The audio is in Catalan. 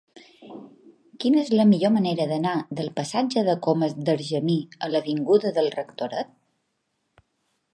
Quina és la millor manera d'anar del passatge de Comas d'Argemí a l'avinguda del Rectoret?